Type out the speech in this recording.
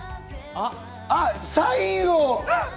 あっ、サインを。